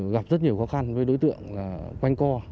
gặp rất nhiều khó khăn với đối tượng quanh co